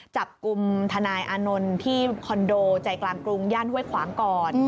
จับกลุ่มทนายอานนท์ที่คอนโดใจกลางกรุงย่านห้วยขวางก่อน